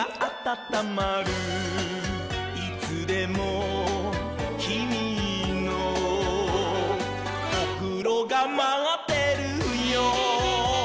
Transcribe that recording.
「いつでもきみのおふろがまってるよ」